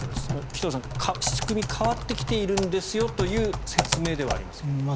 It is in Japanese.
紀藤さん、仕組みが変わってきているんですよという説明ではありますが。